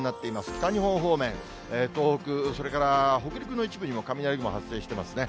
北日本方面、東北、それから北陸の一部にも雷雲発生してますね。